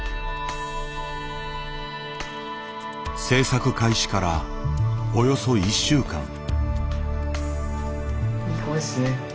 制作開始からおよそ１週間。